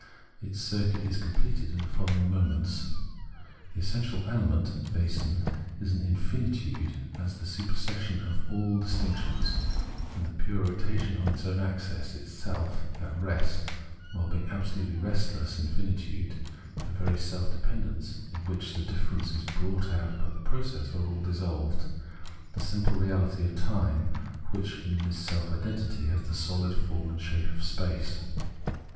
Its circuit is conapleted in the following moments. The essential element (Wesen) is infinitude as the supersession of all dis tinctions, the pure rotation on its own axis, itself at rest while being absolutely restless infinitude, the very self dependence in which the differences brought out in the process are all dissolved, the simple reahty of time, which in this self identity has the sohd form and shape of space.